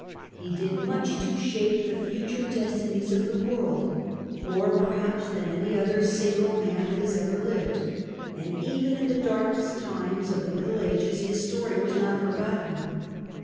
.Jle^did much to shape the future destinies of the world, more perhaps than any other single man that has ever lived, and even in the darkest times of the Middle Ages his story was not forgotten.